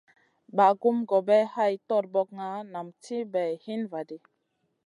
Bagumna gobay hay torbokna nam ti bay hin va ɗi.